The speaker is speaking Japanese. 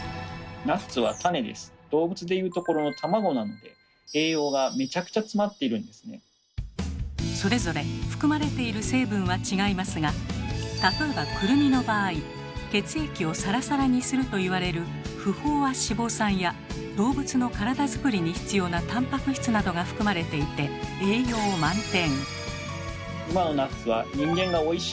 ではそれぞれ含まれている成分は違いますが例えばくるみの場合血液をサラサラにすると言われる不飽和脂肪酸や動物の体づくりに必要なたんぱく質などが含まれていて栄養満点。